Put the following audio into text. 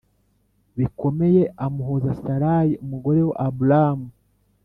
bikomeye amuhora Sarayi umugore wa Aburamu